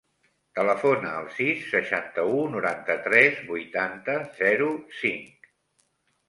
Telefona al sis, seixanta-u, noranta-tres, vuitanta, zero, cinc.